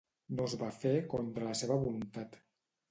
No es va fer contra la seva voluntat.